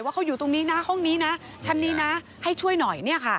เขาอยู่ตรงนี้นะห้องนี้นะชั้นนี้นะให้ช่วยหน่อย